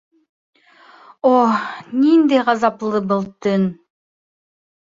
О, ниндәй ғазаплы был төн!